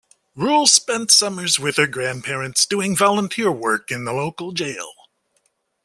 Rule spent summers with her grandparents doing volunteer work in the local jail.